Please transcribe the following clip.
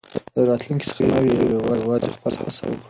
له راتلونکي څخه مه وېرېږئ او یوازې خپله هڅه وکړئ.